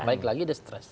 baik lagi dia stress